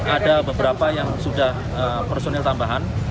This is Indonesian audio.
ada beberapa yang sudah personil tambahan